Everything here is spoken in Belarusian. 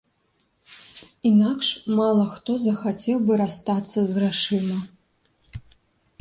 Інакш мала хто захацеў бы расстацца з грашыма.